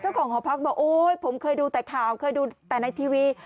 หอพักบอกโอ๊ยผมเคยดูแต่ข่าวเคยดูแต่ในทีวี